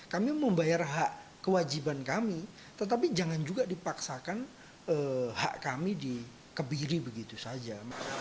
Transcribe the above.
kami membayar hak kewajiban kami tetapi jangan juga dipaksakan hak kami dikebiri begitu saja